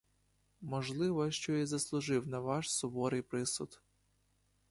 Можливо, що й заслужив на ваш суворий присуд.